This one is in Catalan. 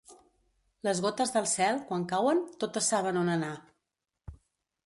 Les gotes del cel, quan cauen, totes saben on anar.